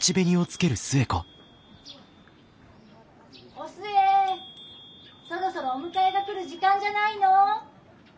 ・お寿恵そろそろお迎えが来る時間じゃないの？